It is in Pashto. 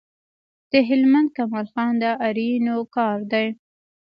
د هلمند کمال خان د آرینو کار دی